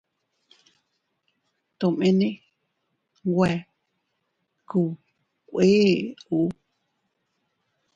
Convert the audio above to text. Tomene nwe kubkéʼuu.